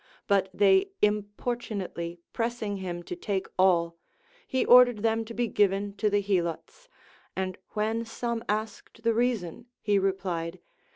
But they impor tunately pressing him to take all, he ordered them to be given to the Helots ; and when some asked the reason, he replied.